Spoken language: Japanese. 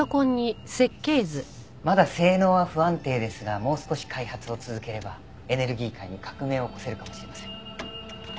まだ性能は不安定ですがもう少し開発を続ければエネルギー界に革命を起こせるかもしれません。